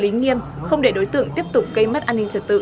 xử lý nghiêm không để đối tượng tiếp tục gây mất an ninh trật tự